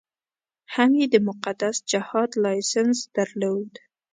هم یې د مقدس جهاد لایسنس درلود.